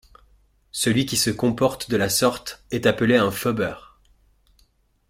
Celui qui se comporte de la sorte est appelé un phubber.